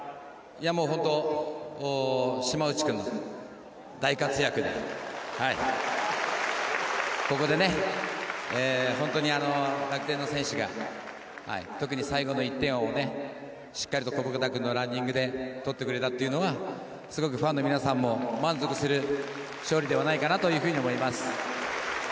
本当に島内君の大活躍でここでね、本当に楽天の選手が特に最後の１点をしっかりと小深田君のランニングで取ってくれたというのはすごくファンの皆さんも満足する勝利ではないかなというふうに思います。